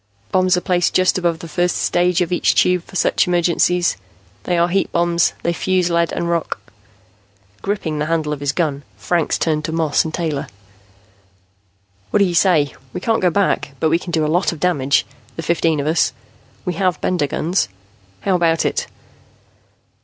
"Bombs are placed just above the first stage of each Tube for such emergencies. They are heat bombs. They fuse lead and rock." Gripping the handle of his gun, Franks turned to Moss and Taylor. "What do you say? We can't go back, but we can do a lot of damage, the fifteen of us. We have Bender guns. How about it?"